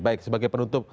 baik sebagai penutup